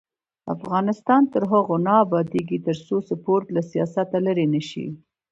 افغانستان تر هغو نه ابادیږي، ترڅو سپورټ له سیاسته لرې نشي.